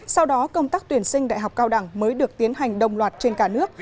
sau đó công tác tuyển sinh đại học cao đẳng mới được tiến hành đồng loạt trên cả nước